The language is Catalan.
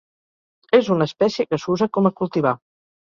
És una espècie que s'usa com a cultivar.